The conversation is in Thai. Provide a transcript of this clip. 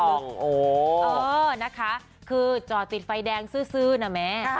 เออนะคะคือจอดติดไฟแดงซื่อนะแม่